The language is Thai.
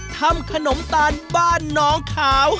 ทำขนมตาลบ้านน้องขาว